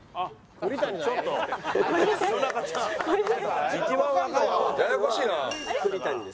栗谷です。